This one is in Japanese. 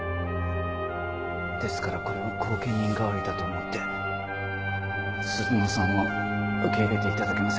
ですからこれを後見人代わりだと思って鈴乃さんを受け入れて頂けませんか？